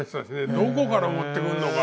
どこから持ってくんのか。